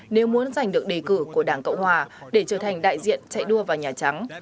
nếu muốn giành được đề cử của đảng cộng hòa để trở thành đại diện chạy đua vào nhà trắng